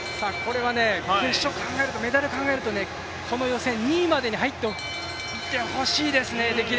決勝、メダル考えるとこの予選２位に入ってほしいですね。